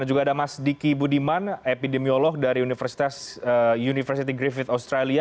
dan juga ada mas diki budiman epidemiolog dari universitas university griffith australia